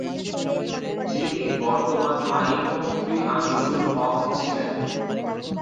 যিনি বর্তমান আইনমন্ত্রী আনিসুল হক ছিলেন।